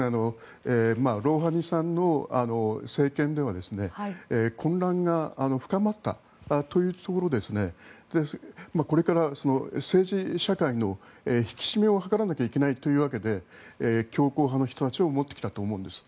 ロウハニさんの政権では混乱が深まったというところでこれから政治社会の引き締めを図らないといけないというわけで強硬派の人たちを持ってきたと思うんです。